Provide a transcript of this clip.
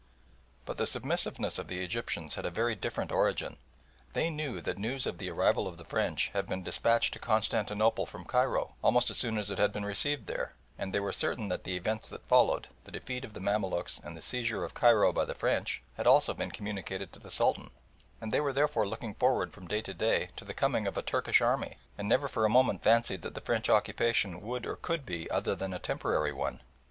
But the submissiveness of the Egyptians had a very different origin. They knew that news of the arrival of the French had been despatched to Constantinople from Cairo almost as soon as it had been received there, and they were certain that the events that followed, the defeat of the Mamaluks and the seizure of Cairo by the French, had also been communicated to the Sultan, and they were therefore looking forward from day to day to the coming of a Turkish army, and never for a moment fancied that the French occupation would or could be other than a temporary one.